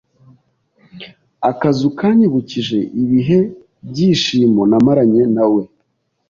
Akazu kanyibukije ibihe byishimo namaranye nawe.